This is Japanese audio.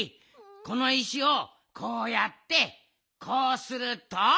この石をこうやってこうすると。